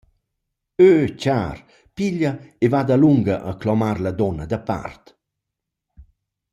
Ö char, piglia e va dalunga a clamar la duonna da part!»